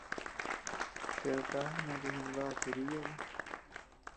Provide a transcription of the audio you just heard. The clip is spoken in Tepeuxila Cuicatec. ¡Ted kaja nochi jinabad kerillo ú!